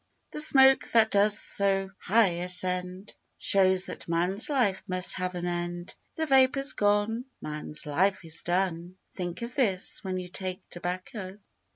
The smoke that does so high ascend, Shows that man's life must have an end; The vapour's gone,— Man's life is done; Think of this when you take tobacco!